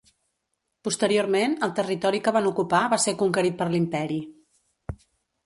Posteriorment, el territori que van ocupar va ser conquerit per l'Imperi.